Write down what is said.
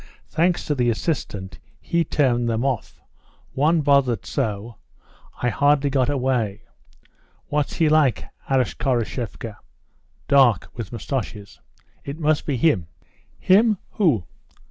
Thanks to the assistant, he turned them off. One bothered so, I hardly got away." "What's he like?" asked Khoroshevka. "Dark, with moustaches." "It must be him." "Him who?"